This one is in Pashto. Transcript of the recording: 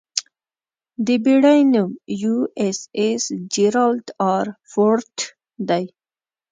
د بېړۍ نوم 'یواېساېس جېرالډ ار فورډ' دی.